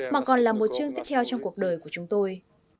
mà còn là một chương tiếp theo trong cuộc đời của chúng tôi